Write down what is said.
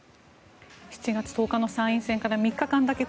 ７月１０日の参院選から３日間だけ